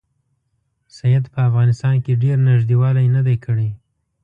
سید په افغانستان کې ډېر نیژدې والی نه دی کړی.